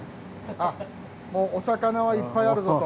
あっお魚はいっぱいあるぞと。